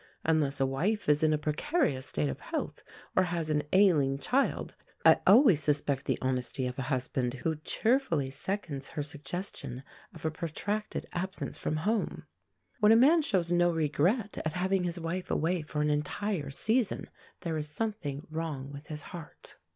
Unless a wife is in a precarious state of health or has an ailing child, I always suspect the honesty of a husband who cheerfully seconds her suggestion of a protracted absence from home. When a man shows no regret at having his wife away for an entire season, there is something wrong with his heart.